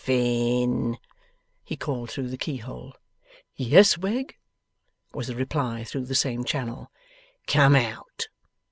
'Bof fin!' he called through the keyhole. 'Yes, Wegg,' was the reply through the same channel. 'Come out.